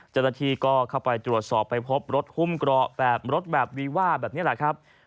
เจ้าหน้าที่ก็เข้าไปตรวจสอบไปพบรถหุ้มเกราะแบบรถแบบวีว่าแบบนี้แหละครับ